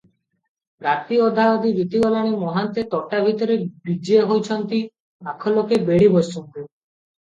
ରାତି ଅଧାଅଧି ବିତିଗଲାଣି, ମହନ୍ତେ ତୋଟା ଭିତରେ ବିଜେ ହୋଇଛନ୍ତି, ପାଖଲୋକେ ବେଢ଼ି ବସିଛନ୍ତି ।